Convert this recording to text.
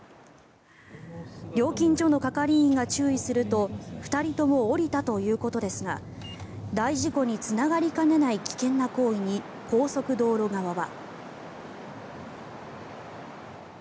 料金所の係員が注意すると２人とも降りたということですが大事故につながりかねない危険な行為に高速道路側は。